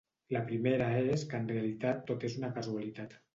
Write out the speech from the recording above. La primera és que en realitat tot és una casualitat.